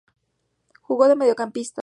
Jugó de mediocampista.